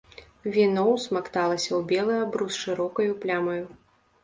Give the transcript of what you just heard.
Віно ўсмакталася ў белы абрус шырокаю плямаю.